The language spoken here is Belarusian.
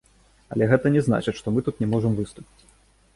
Але гэта не значыць, што мы тут не можам выступіць.